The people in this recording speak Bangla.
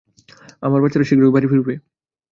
আমার বাচ্চারা শীঘ্রই বাড়ি ফিরবে।